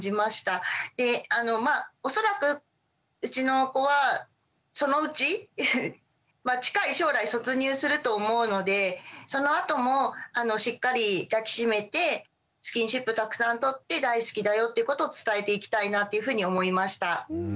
でまあ恐らくうちの子はそのうち近い将来卒乳すると思うのでそのあともしっかり抱き締めてスキンシップたくさんとって大好きだよってことを伝えていきたいなっていうふうに思いました。